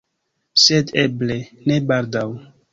Sed eble, ne baldaŭ.